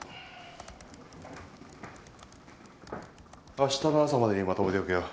あしたの朝までにまとめておけよ。